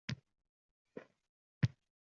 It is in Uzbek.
Onaning ko`ngli aldamaydi qizi hushsiz yotardi